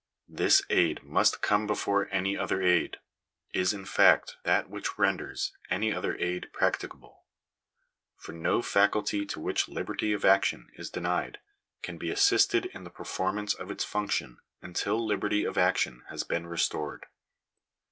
This aid must come before any other aid — is, in fact, that which renders any other aid practicable ; for no faculty to which liberty of action is denied can be assisted in the performance of its function until liberty of action has been restored.